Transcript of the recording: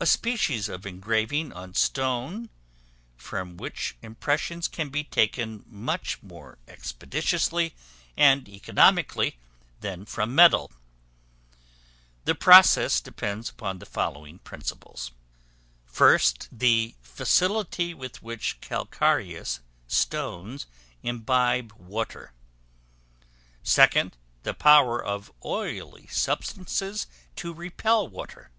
A species of engraving on stone, from which impressions can be taken much more expeditiously and economically than from metal. The process depends upon the following principles: First, the facility with which calcareous stones imbibe water; second, the power of oily substances to repel water.